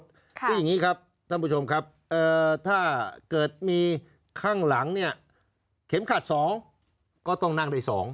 คืออย่างนี้ครับท่านผู้ชมครับถ้าเกิดมีข้างหลังเนี่ยเข็มขัด๒ก็ต้องนั่งได้๒